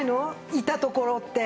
いた所って。